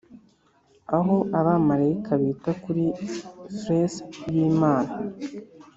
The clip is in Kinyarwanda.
aho abamarayika bita kuri fleece y'imana